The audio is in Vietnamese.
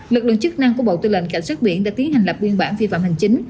lực lượng chức năng của bộ tư lệnh cảnh sát biển đã tiến hành lập biên bản vi phạm hành chính